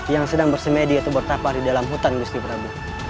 yang sedang bersemedi atau bertapar di dalam hutan gusti prabu